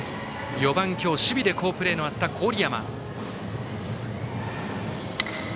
４番、今日守備で好プレーのあった郡山。